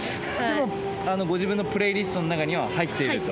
でもご自分のプレイリストの中には入って？